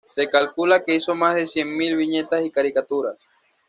Se calcula que hizo más de cien mil viñetas y caricaturas.